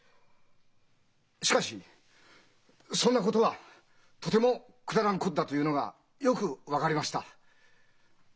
しかしそんなことはとてもくだらんことだというのがよく分かりました。